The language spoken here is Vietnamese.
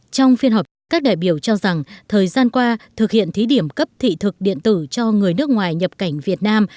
trong phiên họp các đại biểu cho rằng thời gian qua thực hiện thí điểm cấp thị thực điện tử cho người nước ngoài nhập cảnh việt nam